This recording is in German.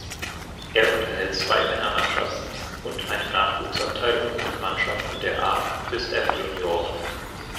Er unterhält zwei Männermannschaften und eine Nachwuchsabteilung mit Mannschaften der A- bis F-Junioren.